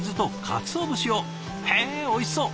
へえおいしそう！